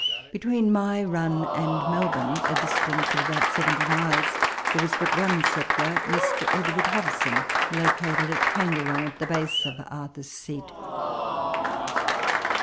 Between my run and Melbourne, a distance of about 70 miles, there was but one settler, Mr. Edward Hobson, located at Kange rong, at the base of Arthur's Seat.